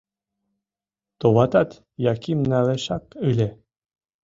Товатат, Яким налешак ыле...